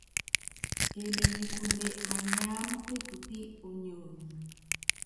Emenykune maniám ne tupí ó nionyí.